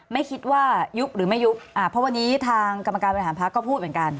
ไม่คิดว่ายุบหรือไม่ยุบเพราะวันนี้ทางกรรมการบริหารพักก็พูดเหมือนกัน